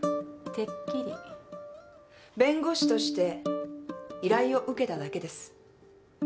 弁護士として依頼を受けただけです。